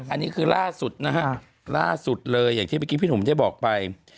อันนี้คือล่าสุดนะฮะล่าสุดเลยอย่างที่เมื่อกี้พี่หนุ่มได้บอกไป